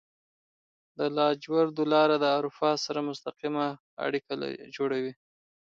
د لاجوردو لاره د اروپا سره مستقیمه اړیکه جوړوي.